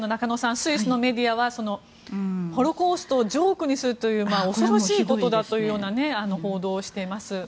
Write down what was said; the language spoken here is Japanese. スイスのメディアはホロコーストをジョークにするのは恐ろしいことだという報道をしています。